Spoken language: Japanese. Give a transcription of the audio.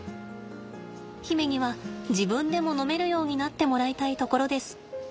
媛には自分でも飲めるようになってもらいたいところです。